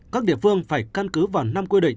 các địa phương phải căn cứ vào năm quy định